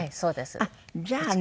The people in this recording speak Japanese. ああじゃあね。